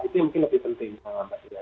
itu yang mungkin lebih penting mbak dea